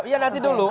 iya nanti dulu